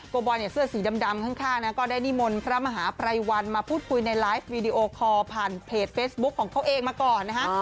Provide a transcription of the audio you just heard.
บอยเนี่ยเสื้อสีดำข้างนะก็ได้นิมนต์พระมหาภัยวันมาพูดคุยในไลฟ์วีดีโอคอร์ผ่านเพจเฟซบุ๊คของเขาเองมาก่อนนะฮะ